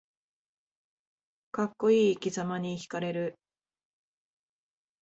かっこいい生きざまにひかれる